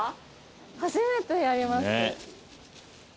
初めてやります。